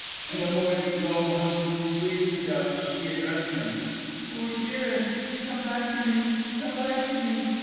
In a voice low, husky, sweet as a dove's, she addressed him. "Oh, dearest, come back to me; come back to me.